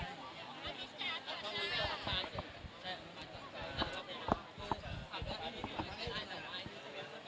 อันนี้ก็เป็นสถานที่สุดท้ายของเมืองและเป็นสถานที่สุดท้ายของอัศวินธรรมชาติ